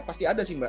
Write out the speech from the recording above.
pasti ada sih mbak